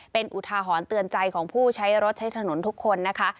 เป็นอุทาหรณ์เตือนใจของผู้ใช้รถใช้ถนนทุกคนนะคะ